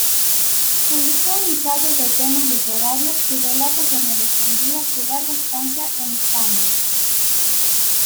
Publicó ensayos de temas literarios y relatos donde describía su larga estancia en España.